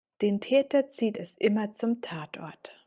Den Täter zieht es immer zum Tatort.